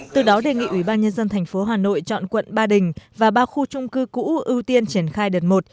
từ đó đề nghị ủy ban nhân dân tp hà nội chọn quận ba đình và ba khu trung cư cũ ưu tiên triển khai đợt một